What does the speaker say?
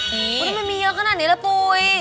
ทำไมมีเยอะขนาดนี้ล่ะปุ๋ย